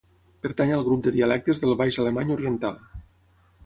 Pertany al grup de dialectes del baix alemany oriental.